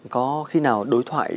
có khi nào đối thoại